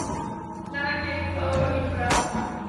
奈良県川上村